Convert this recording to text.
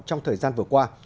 trong thời gian vừa qua